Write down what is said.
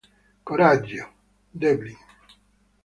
Coraggio, Devlin!